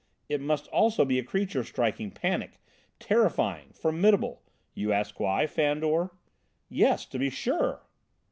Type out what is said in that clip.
It must also be a creature striking panic, terrifying, formidable: you ask why, Fandor?" "Yes, to be sure."